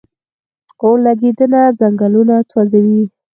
اورلګیدنه ځنګلونه سوځوي